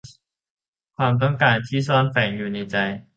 ความต้องการที่ซ่อนแฝงอยู่ในใจ